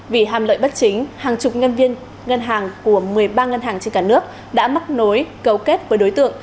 vì hàm lợi bất chính hàng chục nhân viên ngân hàng của một mươi ba ngân hàng trên cả nước đã mắc nối cấu kết với đối tượng